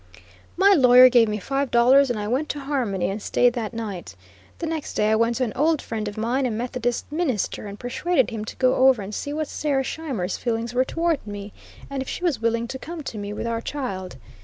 My lawyer gave me five dollars and I went to Harmony and staid that night. The next day I went to an old friend of mine, a Methodist minister, and persuaded him to go over and see what Sarah Scheimer's feelings were towards me, and if she was willing to come to me with our child.